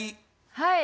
はい。